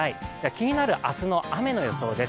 気になる明日の雨の予想です。